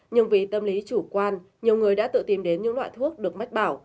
nhưng vì tâm lý chủ quan nhiều người đã tự tìm đến những loại thuốc được mách bảo